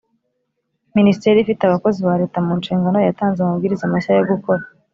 Minisiteri ifite abakozi ba Leta mu nshingano yatanze amabwiriza mashya yo gukora